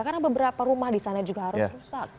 karena beberapa rumah di sana juga harus rusak